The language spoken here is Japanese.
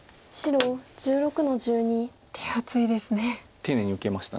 丁寧に受けました。